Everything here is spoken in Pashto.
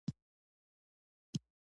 د فقر له کلکو ډبرو یې لاره جوړه کړه